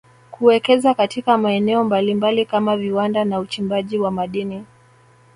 kuwekeza katika maeneo mbalimbali kama viwanda na uchimbaji wa madini